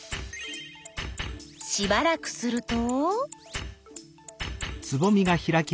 しばらくすると。